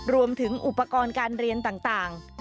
รวมถึงอุปกรณ์การเรียนต่าง